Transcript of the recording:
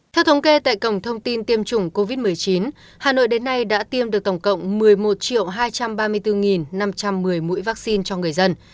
theo thống kê tại cổng thông tin tiêm chủng covid một mươi chín hà nội đến nay đã tiêm được tổng cộng một mươi một hai trăm ba mươi bốn năm trăm một mươi mũi vaccine cho người dân